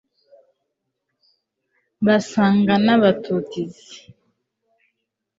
basaga n'abatutizi